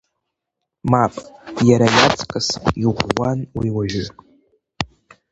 Мап, иара иаҵкыс иӷәӷәан уи уажәы.